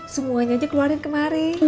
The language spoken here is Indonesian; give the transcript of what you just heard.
semuanya aja keluarin kemaren